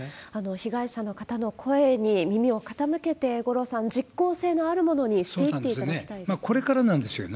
被害者の方の声に耳を傾けて、五郎さん、実効性のあるものにしていっていただきたいですね。